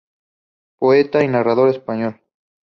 Poeta y narrador español.